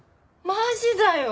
マジだよ！